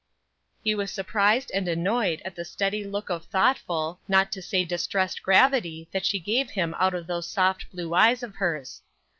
He was surprised and annoyed at the steady look of thoughtful, not to say distressed gravity that she gave him out of those soft blue eyes of hers.